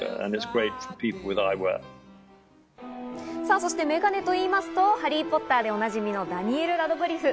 そしてメガネと言いますと、『ハリーポッター』でおなじみのダニエル・ラドクリフ。